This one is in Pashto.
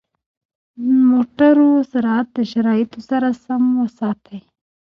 د موټرو سرعت د شرایطو سره سم وساتئ.